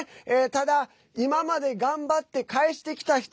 ただ、今まで頑張って返してきた人